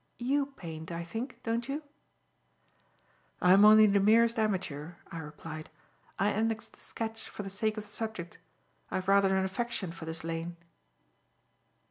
You paint, I think, don't you?" "I'm only the merest amateur," I replied. "I annexed the sketch for the sake of the subject. I have rather an affection for this lane."